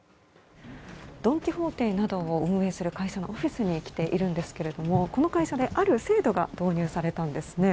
ドン・キホーテなどを運営する会社のオフィスに来ているんですけど、この会社である制度が導入されたんですね。